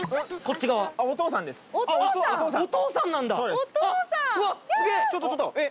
ちょっとちょっとえっ！？